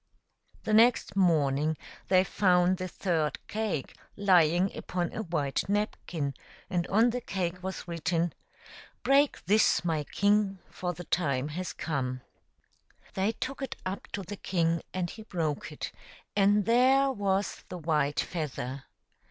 The next morning they found the third cake lying upon a white napkin, and on the cake was written :" Break this, my king, for the time has come.'* l6o THE STEP MOTHER. They took it up to the king and he broke it, and there was the white feather.